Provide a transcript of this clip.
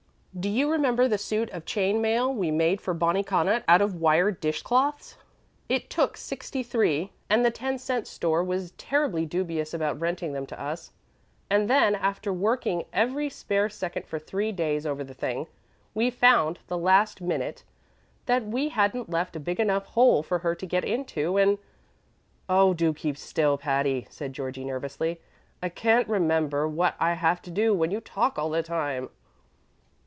Do you remember the suit of chain mail we made for Bonnie Connaught out of wire dish cloths? It took sixty three, and the ten cent store was terribly dubious about renting them to us; and then, after working every spare second for three days over the thing, we found, the last minute, that we hadn't left a big enough hole for her to get into, and " "Oh, do keep still, Patty," said Georgie, nervously; "I can't remember what I have to do when you talk all the time."